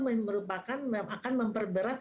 merupakan akan memperberat